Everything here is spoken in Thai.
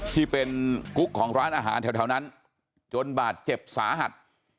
ที่เป็นกุ๊กของร้านอาหารแถวนั้นจนบาดเจ็บสาหัส